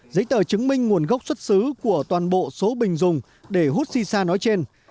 giấy tờ chứng minh nguồn gốc xuất xứ của toàn bộ số bình dùng để hút si sa nói trên